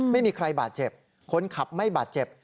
ไม่มีใครบาดเจ็บคนขับไม่บาดเจ็บ